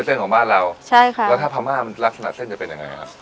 ดิน๘๔มาร์แล้วใช่ค่ะทำมามรับสนับเส้นจะเป็นยังไงคะ